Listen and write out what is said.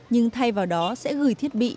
nhưng thay vào đó sẽ gửi thiết bị